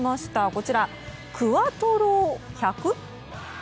こちら、クアトロ１００？